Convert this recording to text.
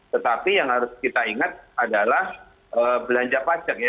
tetapi yang harus kita ingat adalah belanja pajak ya